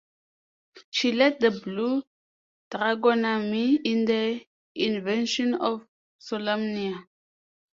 She led the Blue Dragonarmy in the invasion of Solamnia.